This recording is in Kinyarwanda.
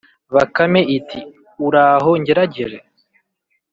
bakame iti: “uraho ngeragere!”